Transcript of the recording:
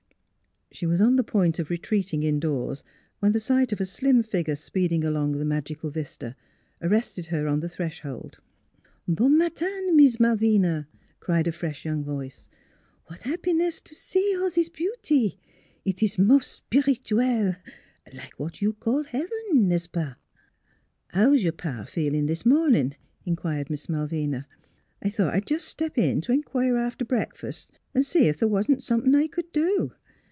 She was on the point of retreating indoors when the sight of a slim figure speeding along the magical vista arrested her on the threshold. " Bon matin, Mees Malvina !" cried a fresh young voice. " Wat 'appiness to see all zis beauty! Eet ees mos' spirituelle like what you call 'eaven, riest ce pas?" " How's your pa feelin' this mornin' ?" in quired Miss Malvina. " I thought I'd jes' step in t' inquire after breakfas', V see ef the' wa'n't somethin' I c'd do."